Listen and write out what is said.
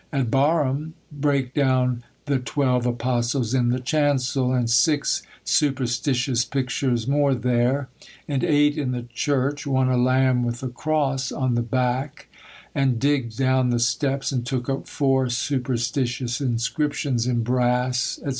At Barham, brake down the twelve apostles in the chancel, and six superstitious pictures more there; and eight in the church, one a lamb with a cross (+) on the back; and digged down the steps and took up four superstitious inscriptions in brass," &c.